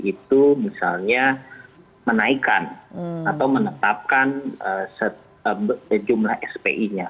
itu misalnya menaikkan atau menetapkan jumlah spi nya